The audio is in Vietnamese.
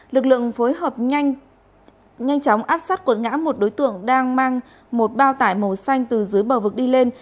lực lượng phối hợp nhanh chóng áp sát cuột ngã một đối tượng đang mang một bao tải màu xanh từ dưới bờ vực đi lên